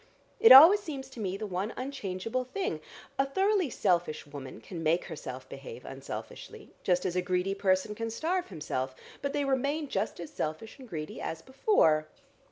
It always seems to me the one unchangeable thing. A thoroughly selfish woman can make herself behave unselfishly, just as a greedy person can starve himself, but they remain just as selfish and greedy as before.